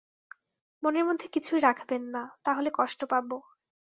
মনের মধ্যে কিছু রাখবেন না, তাহলে কষ্ট পাব।